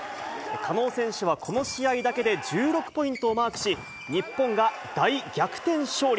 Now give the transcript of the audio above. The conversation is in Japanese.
加納選手はこの試合だけで１６ポイントをマークし、日本が大逆転勝利。